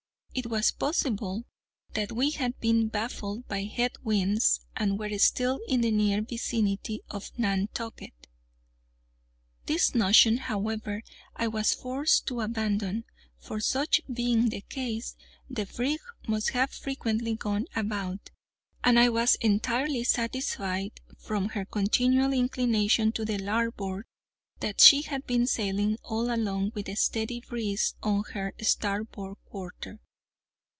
It was possible that we had been baffled by head winds, and were still in the near vicinity of Nantucket. This notion, however, I was forced to abandon; for such being the case, the brig must have frequently gone about; and I was entirely satisfied, from her continual inclination to the larboard, that she had been sailing all along with a steady breeze on her starboard quarter.